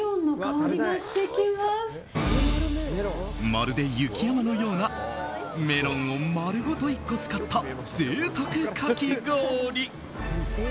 まるで雪山のようなメロンを丸ごと１個使った贅沢かき氷！